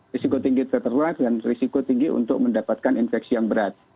risiko tinggi tertular dan risiko tinggi untuk mendapatkan infeksi yang berat